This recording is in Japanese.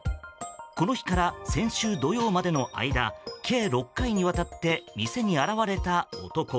この日から先週土曜までの間計６回にわたって店に現れた男。